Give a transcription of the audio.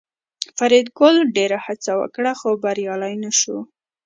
فریدګل ډېره هڅه وکړه خو بریالی نشو